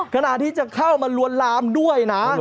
ขณะที่จะเข้ามาลวนลามด้วยนะ